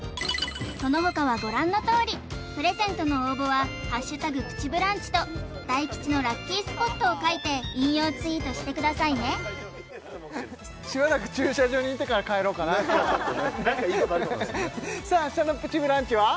そのほかはご覧のとおりプレゼントの応募は「＃プチブランチ」と大吉のラッキースポットを書いて引用ツイートしてくださいねしばらく駐車場にいてから帰ろうかな今日はちょっとね何かいいことあるかもですねさあ明日の「プチブランチ」は？